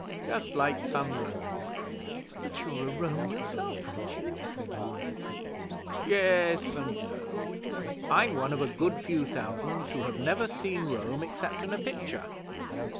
'Just like some Romans.' 'But you're a Roman yourself, aren't you?' said Una. 'Ye es and no. I'm one of a good few thousands who have never seen Rome except in a picture.